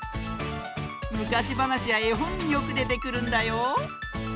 むかしばなしやえほんによくでてくるんだよ。